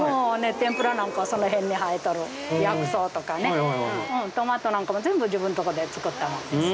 天ぷらなんかはその辺に生えとる薬草とかねトマトなんかも全部自分んとこで作ったものです。